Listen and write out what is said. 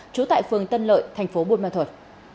trú tại phường tân lợi thành phố buôn ma thuật